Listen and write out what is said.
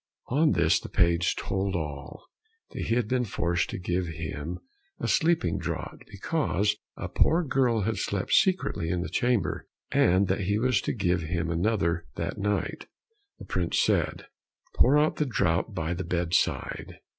On this the page told all; that he had been forced to give him a sleeping draught, because a poor girl had slept secretly in the chamber, and that he was to give him another that night. The prince said, "Pour out the draught by the bed side."